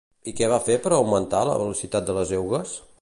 I què va fer per augmentar la velocitat de les eugues?